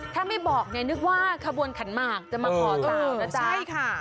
ถ้าไม่บอกนึกว่าขบวนขันหมากจะมาขอเจ้านะจ๊ะ